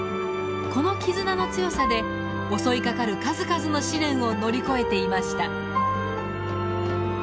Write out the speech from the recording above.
この絆の強さで襲いかかる数々の試練を乗り越えていました。